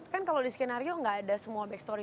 kan kalau di skenario nggak ada semua back story